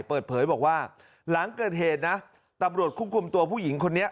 เปิดเผยบอกว่าหลังเกิดเหตุนะตำรวจคุกคุมตัวผู้หญิงคนนี้